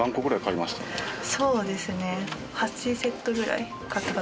そうですね。